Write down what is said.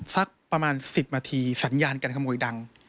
สักประมาณ๑๐นาทีสัญญาณการขโมยดัง